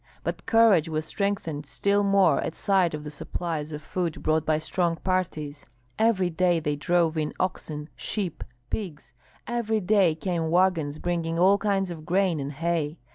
But courage was strengthened still more at sight of the supplies of food brought by strong parties. Every day they drove in oxen, sheep, pigs; every day came wagons bringing all kinds of grain and hay.